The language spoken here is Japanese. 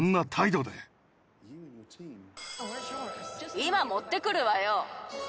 今持ってくるわよ。